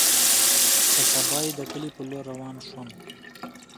پر سبا يې د کلي په لور روان سوم.